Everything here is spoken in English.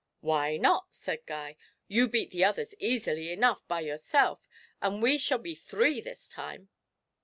'Why not?' said Guy. 'You beat the others easily enough by yourself, and we shall be three this time.'